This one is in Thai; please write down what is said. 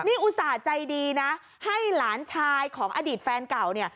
นี่อุตส่าห์ใจดีนะให้หลานชายของอดีตแฟนเก่าเนี่ย